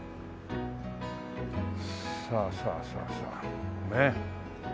さあさあさあさあねっ。